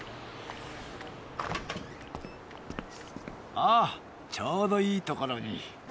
あっちょうどいいところに。